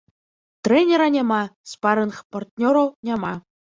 Трэнера няма, спарынг-партнёраў няма.